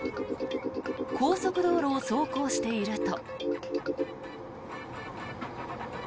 高速道路を走行していると。